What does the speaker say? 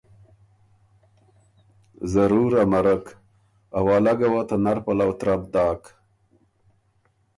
ضرور امرک، اوالګه وه ته نر پَلؤ ترپ داک۔